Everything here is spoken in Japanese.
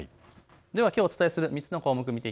きょうお伝えする３つの項目。